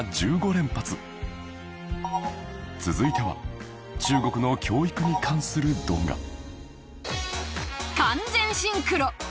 続いては中国の教育に関する動画